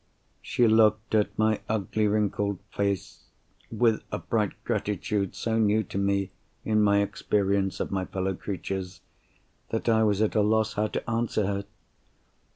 She looked at my ugly wrinkled face, with a bright gratitude so new to me in my experience of my fellow creatures, that I was at a loss how to answer her.